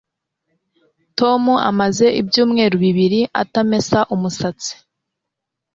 Tom amaze ibyumweru bibiri atamesa umusatsi